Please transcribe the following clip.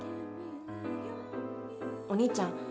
お兄ちゃん